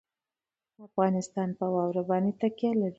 افغانستان په واوره باندې تکیه لري.